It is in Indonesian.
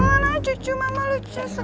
anak cucu mama lucu sekali